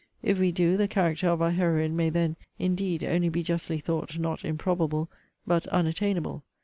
If we do, the character of our heroine may then, indeed, only be justly thought not improbable, but unattainable.